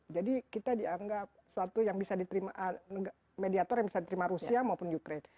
jadi kita dianggap mediator yang bisa diterima rusia maupun ukraine